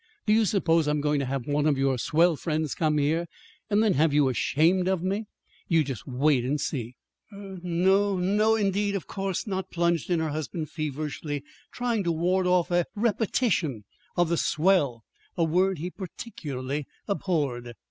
"Do you suppose I'm going to have one of your swell friends come here, and then have you ashamed of me? You just wait and see!" "Er, no no, indeed, of course not," plunged in her husband feverishly, trying to ward off a repetition of the "swell" a word he particularly abhorred.